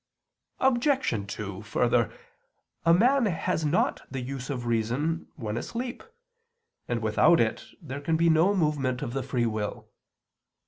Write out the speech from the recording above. Obj. 2: Further, a man has not the use of reason when asleep, and without it there can be no movement of the free will.